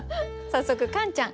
早速カンちゃん。